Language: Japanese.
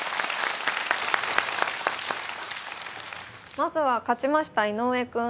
まずは勝ちました井上くん